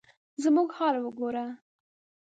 زموږ حال وګوره ؟